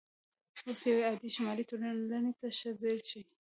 اوس یوې عادي شمالي ټولنې ته ښه ځیر شئ